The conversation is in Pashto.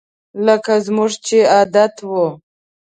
لکه زموږ چې عادت وو